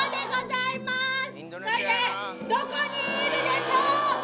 さてどこにいるでしょうか？